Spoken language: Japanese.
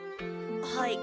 はい。